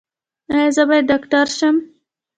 ایا زه باید ډاکټر شم؟